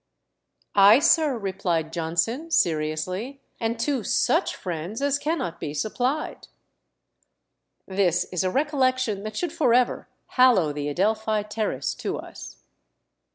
"Ay, sir," replied Johnson, seriously, "and two such friends as cannot be supplied." This is a recollection that should for ever hallow the Adelphi Terrace to us.